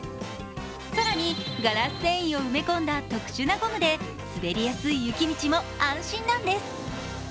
更に、ガラス繊維を埋め込んだ特殊なゴムで滑りやすい雪道も安心なんです。